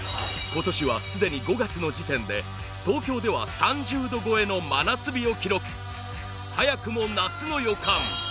今年は、すでに５月の時点で東京では３０度超えの真夏日を記録早くも夏の予感。